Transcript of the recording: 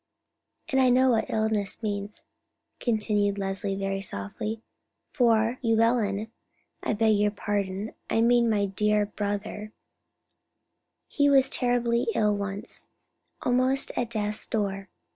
"And I know what illness means," continued Leslie very softly, "for Llewellyn—I beg your pardon, I mean my dear brother—he was terribly ill once, almost at death's door.